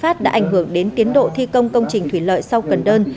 trần tiến phát đã ảnh hưởng đến tiến độ thi công công trình thủy lợi sau cần đơn